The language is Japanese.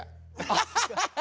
ハハハハハ！